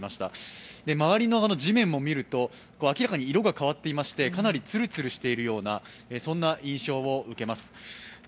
周りの地面を見ると明らかに色が変わっていまして、かなりツルツルしているようなそんな印象を受けます。